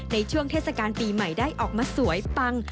เทศกาลปีใหม่ได้ออกมาสวยปัง